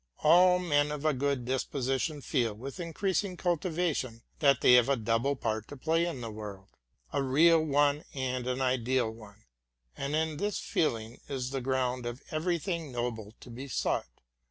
All men of a good disposition feel, with increasing cultiva tion, that they have a double part to play in the world, —a real one and an ideal one ; and in this feeling is the ground of every thing noble to be sought.